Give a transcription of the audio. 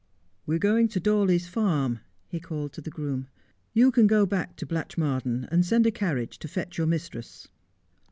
' We're going to Dawley's Farm,' he called to the groom ;' you can go back to Blatchmardean, and send a carriage to fetch your mistress.'